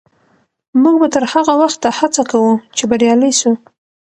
موږ به تر هغه وخته هڅه کوو چې بریالي سو.